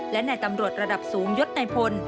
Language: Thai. และแน่ตำรวจระดับสูงยตในพล